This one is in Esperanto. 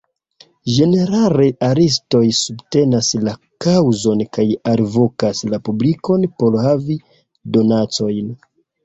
Ĝenerale artistoj subtenas la kaŭzon kaj alvokas la publikon por havi donacojn.